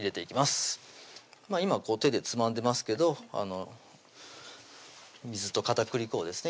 今手でつまんでますけど水と片栗粉をですね